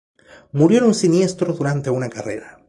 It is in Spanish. Murió en un siniestro durante una carrera.